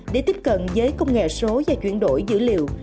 để tiếp cận với công nghệ số và chuyển đổi dữ liệu